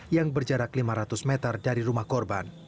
yang berjarak lima ratus meter dari rumah korban